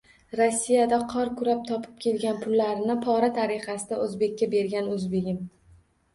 Rossiyada qor kurab topib kelgan pullarini pora tariqasida o‘zbekka bergan o‘zbegim...